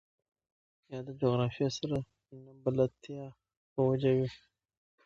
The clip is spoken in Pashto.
يا د جغرافيې سره نه بلدتيا په وجه وي.